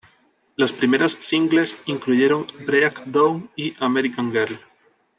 Los primeros singles incluyeron "Breakdown" y "American Girl".